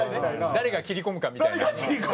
誰が切り込むかみたいな。